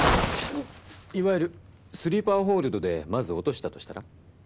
いわゆるスリーパーホールドでまず落としたとしたら？